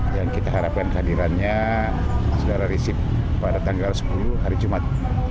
yang kita harapkan hadirannya secara risip pada tanggal sepuluh hari jumat